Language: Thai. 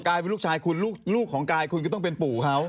กลายเป็นลูกชายคุณลูกของกายคุณก็ต้องเป็นปู่เขา